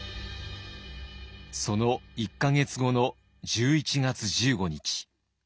その１か月後の１１月１５日。